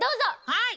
はい。